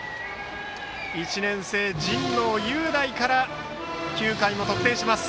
１年生、神農雄大から９回も得点をします。